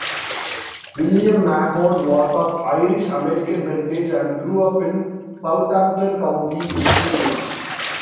William Mahone was of Irish-American heritage and grew up in Southampton County, Virginia.